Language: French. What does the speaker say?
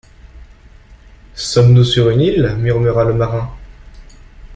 Sommes-nous sur une île? murmura le marin